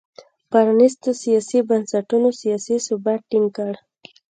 پرانیستو سیاسي بنسټونو سیاسي ثبات ټینګ کړ.